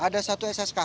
ada satu ssk ke sana